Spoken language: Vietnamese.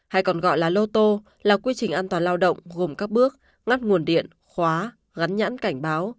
hay còn gọi là lô tô là quy trình an toàn lao động gồm các bước ngắt nguồn điện khóa gắn nhãn cảnh báo